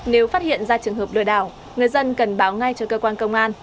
nếu phát hiện ra trường hợp lừa đảo người dân cần báo ngay cho cơ quan công an